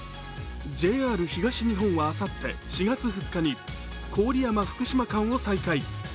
ＪＲ東日本は、あさって４月２日に郡山−福島間を再開。